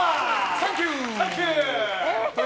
サンキュー！